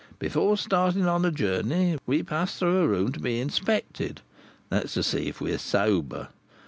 Before starting on a journey, we pass through a room to be inspected. That's to see if we are sober.